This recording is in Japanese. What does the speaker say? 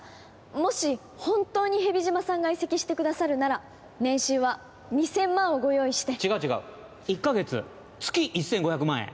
もし本当に蛇島さんが移籍してくださるなら年収は２千万をご用意して違う違う１カ月月１千５百万円